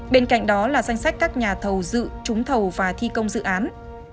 bên cạnh đó là danh sách các nhà thầu dự trúng thầu và thi công dự án